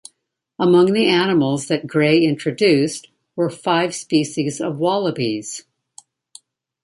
Among the animals that Grey introduced were five species of wallabies.